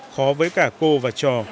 khó với cả cô và trò